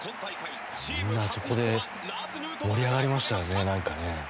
みんなあそこで盛り上がりましたよねなんかね。